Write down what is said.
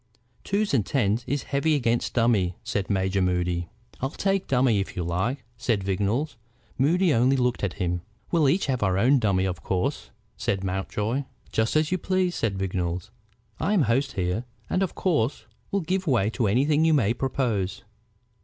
"Twos and tens is heavy against dummy," said Major Moody. "I'll take dummy, if you like it," said Vignolles. Moody only looked at him. "We'll each have our own dummy, of course," said Mountjoy. "Just as you please," said Vignolles. "I'm host here, and of course will give way to anything you may propose.